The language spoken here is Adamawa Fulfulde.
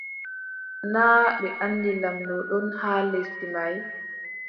Naa ɓe anndi lamɗo ɗon haa lesdi may ?